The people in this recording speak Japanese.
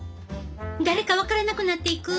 誰か分からなくなっていく！